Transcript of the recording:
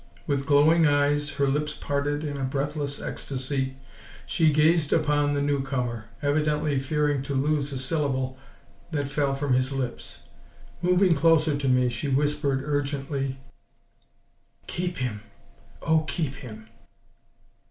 With glowing eyes, her lips parted in a breathless ecstasy, she gazed upon the newcomer, evidently fearing to lose a syllable that fell from his lips. Moving closer to me she whispered urgently: "Keep him. Oh, keep him!"